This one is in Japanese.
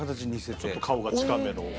ちょっと顔が近めの。